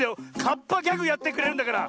カッパギャグやってくれるんだから。